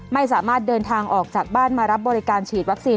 ไม่สามารถเดินทางออกจากบ้านมารับบริการฉีดวัคซีน